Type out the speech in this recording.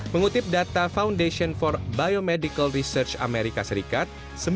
mengutip data foundation for biomedical research amerika serikat